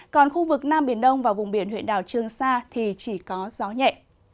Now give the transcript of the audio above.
còn khu vực nam biển đông và vùng biển huyện đảo trương sa thì chỉ có gió nhẹ